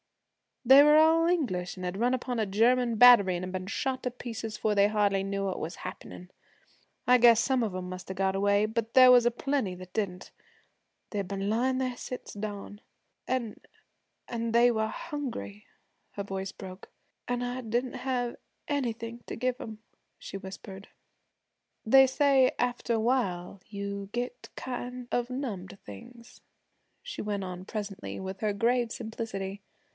They were all English an' had run upon a German battery an' been shot to pieces 'fore they hardly knew what was happenin.' I guess some of 'em must have got away, but there was a plenty that didn't. They'd been layin' there since dawn, an' an' they were hungry ' her voice broke. 'An' I didn't have anything to give 'em,' she whispered. 'They say after a while you get kind of numb to things,' she went on presently, with her grave simplicity.